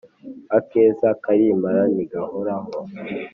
Akeza karimara nti gahoraho